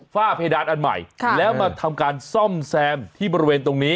ฝ้าเพดานอันใหม่แล้วมาทำการซ่อมแซมที่บริเวณตรงนี้